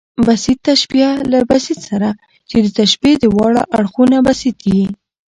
بسیط تشبیه له بسیط سره، چي د تشبیه د واړه اړخونه بسیط يي.